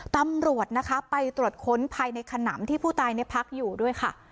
ตำรวจนะคะไปตรวจค้นภายในขนำที่ผู้ตายพักอยู่ด้วยค่ะ